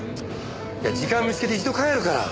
いや時間を見つけて一度帰るから。